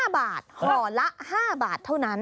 ๕บาทห่อละ๕บาทเท่านั้น